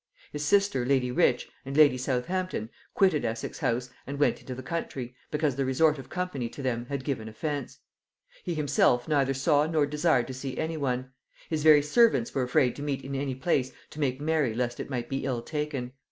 His sister lady Rich, and lady Southampton, quitted Essex house and went into the country, because the resort of company to them had given offence. He himself neither saw nor desired to see any one. His very servants were afraid to meet in any place to make merry lest it might be ill taken.